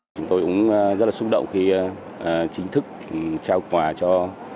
chúng tôi cũng rất là xúc động khi chính thức trao quà cho